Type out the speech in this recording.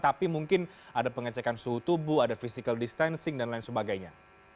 tapi mungkin ada pengecekan suhu tubuh ada physical distancing dan lain sebagainya